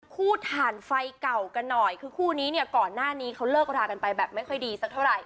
ถ่านไฟเก่ากันหน่อยคือคู่นี้เนี่ยก่อนหน้านี้เขาเลิกรากันไปแบบไม่ค่อยดีสักเท่าไหร่